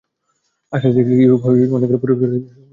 আকৃতির দিক থেকে ইউরোপ অনেকগুলি পরস্পর সংযুক্ত উপদ্বীপের সমষ্টি।